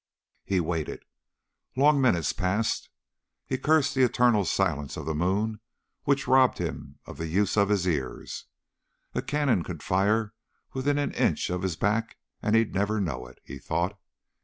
He waited. Long minutes passed. He cursed the eternal silence of the moon which robbed him of the use of his ears. A cannon could fire within an inch of his back and he'd never know it, he thought.